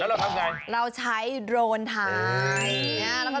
แล้วเราทำไงเราใช้โดรนท้ายนี่